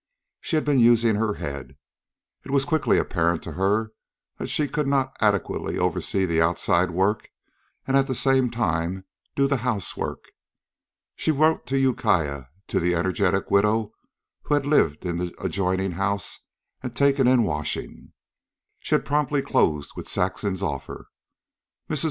She had been using her head. It was quickly apparent to her that she could not adequately oversee the outside work and at the same time do the house work. She wrote to Ukiah to the energetic widow who had lived in the adjoining house and taken in washing. She had promptly closed with Saxon's offer. Mrs.